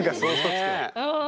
うん。